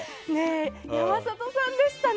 山里さんでしたね。